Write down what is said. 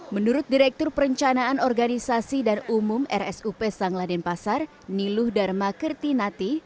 menurut direktur perencanaan organisasi dan umum rsup sangladen pasar niluh dharma kertinati